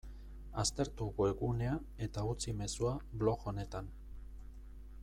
Aztertu webgunea eta utzi mezua blog honetan.